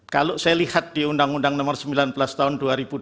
kalau saya lihat di undang undang nomor sembilan belas tahun dua ribu dua puluh